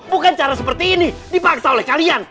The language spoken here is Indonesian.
bukan cara seperti ini dipaksa oleh kalian